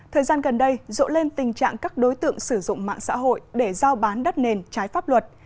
thời gian gần đây rộ lên tình trạng các đối tượng sử dụng mạng xã hội để giao bán đất nền trái pháp luật